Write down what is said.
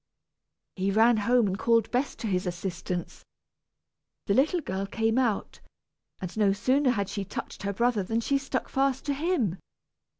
He ran home and called Bess to his assistance. The little girl came out, and no sooner had she touched her brother than she stuck fast to him.